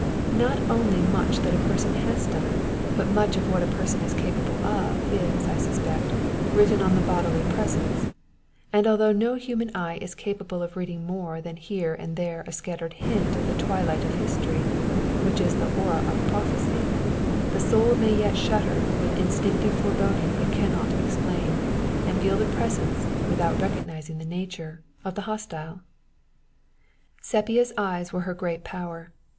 Not only much that a person has done, but much of what a person is capable of, is, I suspect, written on the bodily presence; and, although no human eye is capable of reading more than here and there a scattered hint of the twilight of history, which is the aurora of prophecy, the soul may yet shudder with an instinctive foreboding it can not explain, and feel the presence, without recognizing the nature, of the hostile. Sepia's eyes were her great power.